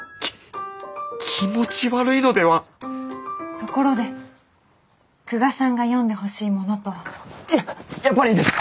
ところで久我さんが読んでほしいものとは？いややっぱりいいです！